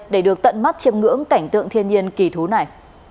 để được tận mắt chiêm ngưỡng cảnh tượng thiên nhiên kỳ thú này